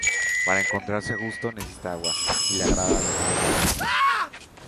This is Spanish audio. Para encontrarse a gusto necesita agua y le agrada además bañarse.